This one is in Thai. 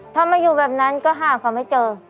ถ้ามาอยู่แบบนั้นก็หาเขาไม่เจอ